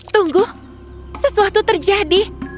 tunggu sesuatu terjadi